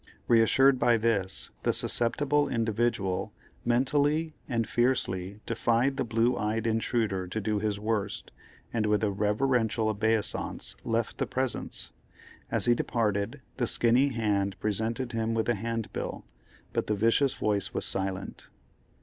Reassured by this, the susceptible individual mentally and fiercely defied the blue eyed intruder to do his worst, and with a reverential obeisance left the presence. As he departed, the skinny hand presented him with a handbill, but the vicious voice was silent.